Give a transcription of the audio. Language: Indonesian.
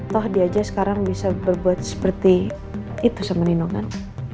toh dia aja sekarang bisa berbuat seperti itu sama nino kan